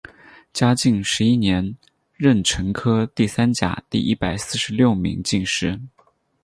嘉靖十一年壬辰科第三甲第一百四十六名进士。